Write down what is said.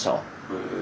へえ。